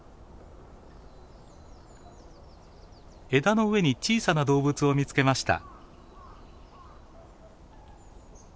枝の上に小さな動物を見つけました。